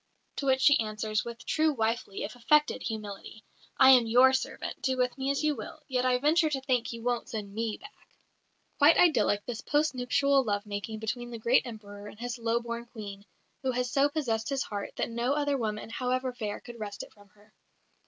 To which she answers, with true wifely (if affected) humility: "I am your servant; do with me as you will; yet I venture to think you won't send me back." Quite idyllic, this post nuptial love making between the great Emperor and his low born Queen, who has so possessed his heart that no other woman, however fair, could wrest it from her.